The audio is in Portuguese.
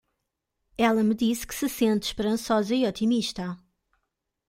Ela me disse que se sente esperançosa e otimista.